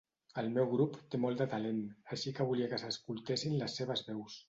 El meu grup té molt de talent, així que volia que s"escoltessin les seves veus.